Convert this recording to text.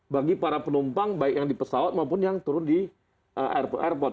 bagi para penumpang baik yang di pesawat maupun yang turun di airport